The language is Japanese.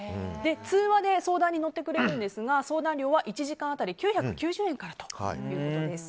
通話で相談に乗ってくれるんですが、相談料は１時間当たり９９０円からということです。